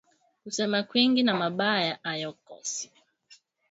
Kusema kwingi na mabaya ayakosi